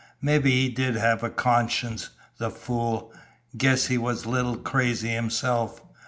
Mebby he did have a conscience, the fool! Guess he was a little crazy himself.